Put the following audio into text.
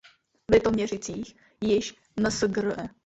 V Litoměřicích již Msgre.